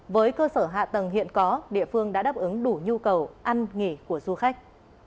với cơ sở hạ tầng hiện có địa phương đã đáp ứng đủ nhu cầu ăn nghỉ của du khách